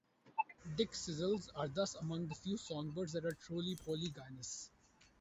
Dickcissels are thus among the few songbirds that are truly polygynous.